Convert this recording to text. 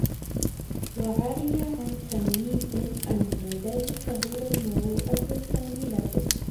وَعَرِيَ عَنْ تَمْيِيزٍ أَنَّ ذَلِكَ هُوَ الْمُرُوءَةُ الْكَامِلَةُ